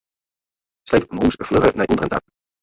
Sleep mûs flugger nei ûnderen ta.